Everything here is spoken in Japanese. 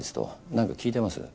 何か聞いてます？